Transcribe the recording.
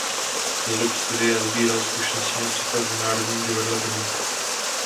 Za dob studia sbíral zkušenosti například v Národním divadle Brno.